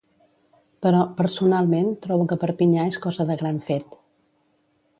Però, personalment, trobo que Perpinyà és cosa de gran fet.